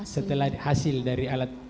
setelah hasil dari alat